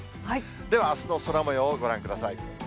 では、あすの空もようをご覧ください。